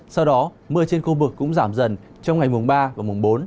sau đó mưa trên khu vực cũng giảm dần trong ngày mùng ba và mùng bốn